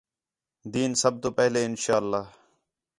دِین سب توں پہلے اِن شاء اللہ